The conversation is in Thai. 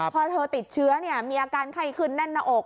พอเธอติดเชื้อมีอาการไข้ขึ้นแน่นหน้าอก